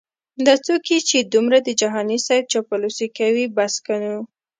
دا څوک یې چې دمره د جهانې صیب چاپلوسې کوي بس که نو